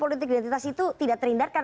politik identitas itu tidak terhindarkan